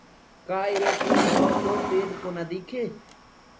ڪدآ اِرو ڪوُ وڻو ڪو پيڏ ڪونآ ديِکي؟